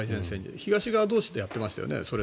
東側同士でやってましたよね。